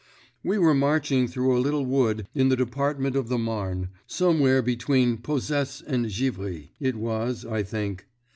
"We were marching through a little wood in the Department of the Marne—somewhere between Posesse and Givry, it was, I think.